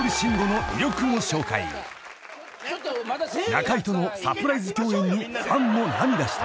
［中居とのサプライズ共演にファンも涙した］